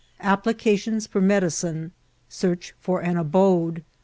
— ApplieatnoB for Medi ciBaL Seareh for an Abode.